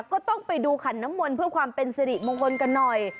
ก็ต้องไปดูขันน้ำมนต์เพื่อความเป็นสิริมงคลกันหน่อย